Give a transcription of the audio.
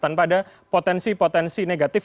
tanpa ada potensi potensi negatif